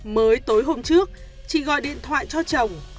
mới tối hôm trước chị gọi điện thoại cho chồng